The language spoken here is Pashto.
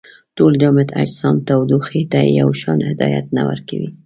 ټول جامد اجسام تودوخې ته یو شان هدایت نه ورکوي.